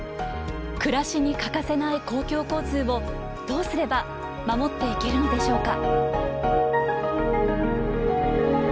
暮らしに欠かせない公共交通をどうすれば守っていけるのでしょうか。